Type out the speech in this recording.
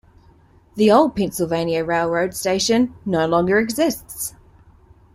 The old Pennsylvania Railroad station no longer exists.